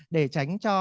để tránh cho